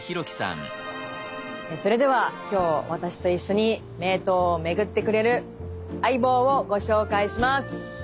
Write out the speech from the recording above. それでは今日私と一緒に名刀を巡ってくれる相棒をご紹介します。